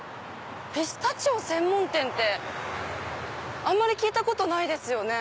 ピスタチオ専門店ってあんまり聞いたことないですよね。